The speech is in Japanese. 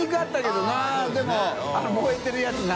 燃えてるやつな。